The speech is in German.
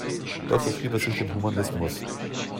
Dort verschrieb er sich dem Humanismus.